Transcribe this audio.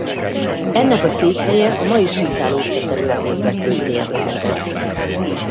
Ennek a székhelye a mai sétálóutca területén fekvő tér lehetett.